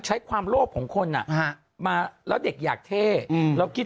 ใช้ความโลภของคนมาแล้วเด็กอยากเท่เราคิด